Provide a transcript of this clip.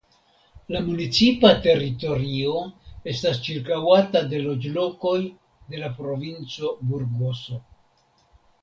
La municipa teritorio estas ĉirkaŭata de loĝlokoj de la provinco Burgoso.